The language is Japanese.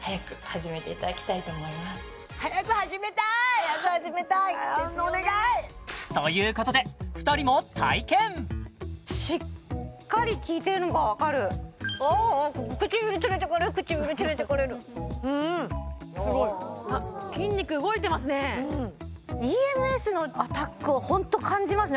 早く始めたいお願い！ということで２人も体験しっかり効いてるのが分かるああ唇連れてかれる唇連れてかれるうんすごい筋肉動いてますねＥＭＳのアタックをホント感じますね